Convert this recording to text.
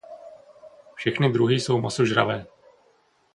Všechny druhy jsou masožravé.